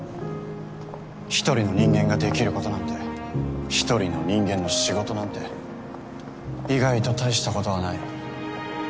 １人の人間ができることなんて１人の人間の仕事なんて意外と大したことはない。